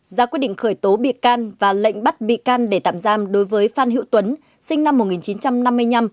ra quyết định khởi tố bị can và lệnh bắt bị can để tạm giam đối với phan hữu tuấn sinh năm một nghìn chín trăm năm mươi năm